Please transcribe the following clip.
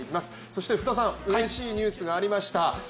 そして、福田さんうれしいニュースがありました。